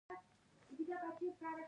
کاناډا د دې کار مخالفت کوي.